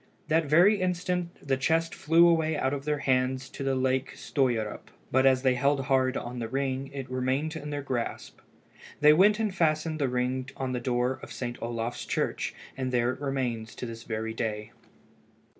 That very instant the chest flew away out of their hands to the lake Stöierup, but as they all held hard on the ring it remained in their grasp. They went and fastened the ring on the door of St. Olaf's church, and there it remains to this very day.